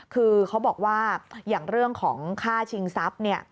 คือเขาบอกว่าอย่างเรื่องของค่าชิงทรัพย์เนี่ย